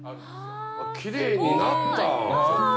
きれいになった！